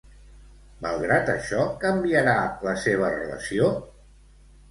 Malgrat això, canviarà la seva relació?